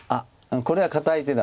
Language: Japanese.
これは堅い手だ。